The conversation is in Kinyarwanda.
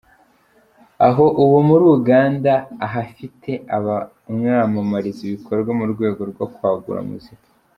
aho ubu muri Uganda ahafite abamwamamariza ibikorwa mu rwego rwo kwagura muzika.